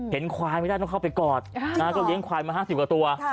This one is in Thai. เห็นขวายไม่ได้ต้องเข้าไปกอดนะนะแล้วเลี้ยงขวายมาห้าสิบกว่าตัว